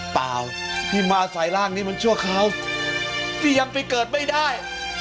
เปล่าที่มาใส่ร่างนี้มันชั่วคราวที่ยังไปเกิดไม่ได้